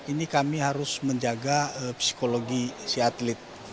ini kami harus menjaga psikologi si atlet